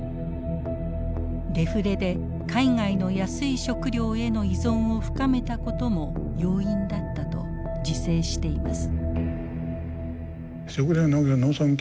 デフレで海外の安い食料への依存を深めたことも要因だったと自省しています。